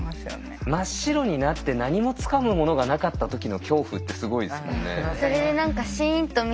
真っ白になって何もつかむものがなかった時の恐怖ってすごいですもんね。